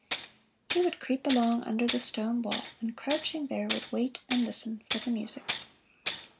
He would creep along under the stone wall, and crouching there would wait and listen for the music.